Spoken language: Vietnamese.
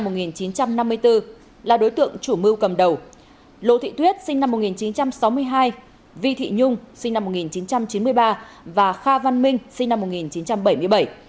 năm một nghìn chín trăm năm mươi bốn là đối tượng chủ mưu cầm đầu lô thị tuyết sinh năm một nghìn chín trăm sáu mươi hai vi thị nhung sinh năm một nghìn chín trăm chín mươi ba và kha văn minh sinh năm một nghìn chín trăm bảy mươi bảy